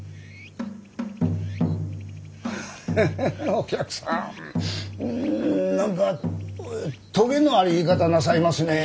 ハハお客さん何かトゲのある言い方なさいますね。